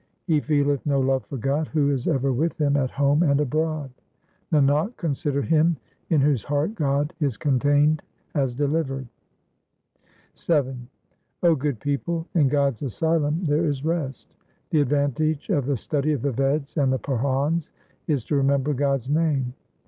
He feeleth no love for God who is ever with him at home and abroad. Nanak, consider him in whose heart God is contained as delivered. VII O good people, in God's asylum there is rest. The advantage of the study of the Veds and the Purans is to remember God's name.